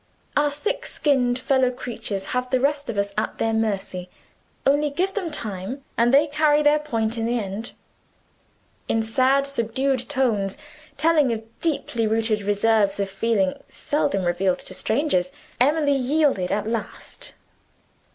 Our thick skinned fellow creatures have the rest of us at their mercy: only give them time, and they carry their point in the end. In sad subdued tones telling of deeply rooted reserves of feeling, seldom revealed to strangers Emily yielded at last.